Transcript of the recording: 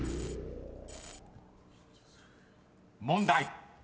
［問題］